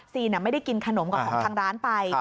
ไม่ได้กินขนมกับของทางร้านไป